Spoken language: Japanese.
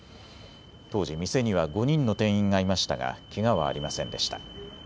当時店には５人の店員がいましたが、けがはありませんでした。